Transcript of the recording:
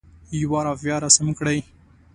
یوه رافعه رسم کړئ.